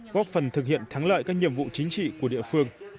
góp phần thực hiện thắng lợi các nhiệm vụ chính trị của địa phương